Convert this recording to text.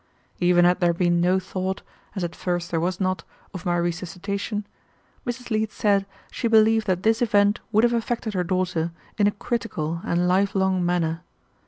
Even had there been no thought, as at first there was not, of my resuscitation, Mrs. Leete said she believed that this event would have affected her daughter in a critical and life long manner.